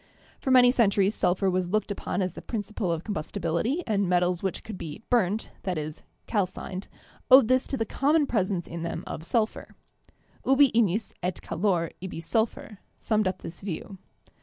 For many centuries sulphur was looked upon as the principle of combustibility and metals which could be "burnt" — i.e., calcined — owed this to the common pres ence in them of sulphur (Freund). "Ubi ignis et calor, ibi sulphur," summed up this view.